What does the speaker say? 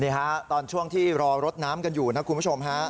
นี่ครับตอนช่วงที่รอรถน้ำกันอยู่นะครับคุณผู้ชม